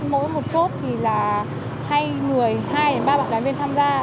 mỗi một chốt thì là hai người hai ba bạn gái viên tham gia